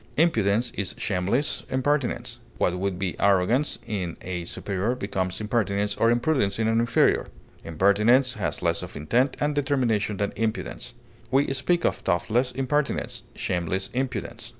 Impudence is shameless impertinence. What would be arrogance in a superior becomes impertinence or impudence in an inferior. Impertinence has less of intent and determination than impudence. We speak of thoughtless impertinence, shameless impudence.